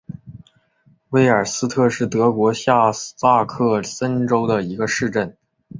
维尔斯特是德国下萨克森州的一个市镇。